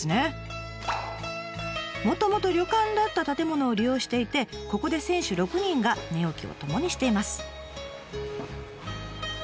もともと旅館だった建物を利用していてここで選手６人が寝起きを共にしています。